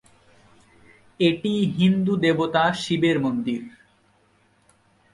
এটি হিন্দু দেবতা শিবের মন্দির।